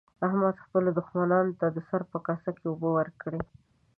احمد خپلو دوښمنانو ته د سره په کاسه کې اوبه ورکړې.